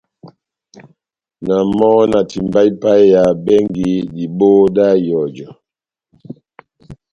Na mɔ na timbaha ipaheya bɛngi dibohó dá ihɔjɔ.